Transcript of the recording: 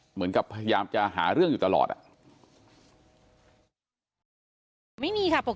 เหมือนกับพยายามจะหาเรื่องอยู่ตลอดอ่ะ